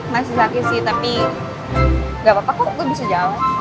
masih sakit sih tapi gak apa apa kok gue bisa jawab